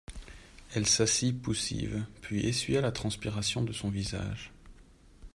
Elle s'assit poussive, puis essuya la transpiration de son visage.